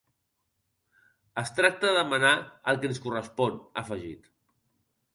Es tracta de demanar el que ens correspon, ha afegit.